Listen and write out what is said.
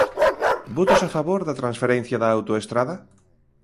¿Votos a favor da transferencia da autoestrada?